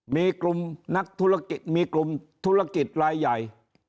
มีกลุ่มนักธุรกิจมีกลุ่มธุรกิจรายใหญ่